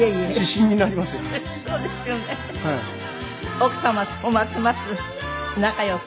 奥様とますます仲良く。